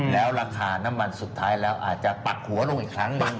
แล้วราคาน้ำมันสุดท้ายแล้วอาจจะปักหัวลงอีกครั้งหนึ่ง